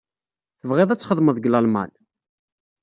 Tebɣiḍ ad txedmeḍ deg Lalman?